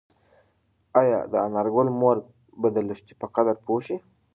ایا د انارګل مور به د لښتې په قدر پوه شي؟